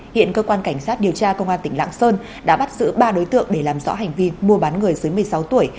hiện cơ quan cảnh sát điều tra công an tỉnh lạng sơn đã bắt giữ ba đối tượng để làm rõ hành vi mua bán người dưới một mươi sáu tuổi